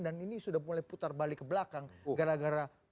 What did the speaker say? dan ini sudah mulai putar balik ke belakang gara gara